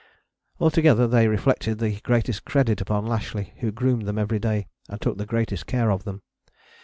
Altogether they reflected the greatest credit upon Lashly, who groomed them every day and took the greatest care of them.